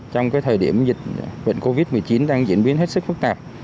trong thời điểm dịch bệnh covid một mươi chín đang diễn biến hết sức phức tạp